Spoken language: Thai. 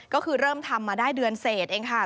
ก็คือเริ่มทำมาได้เดือนเศษเองค่ะ